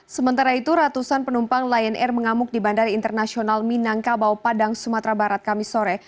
sementara itu ratusan penumpang lion air mengamuk di bandara internasional minangkabau padang sumatera barat kami sore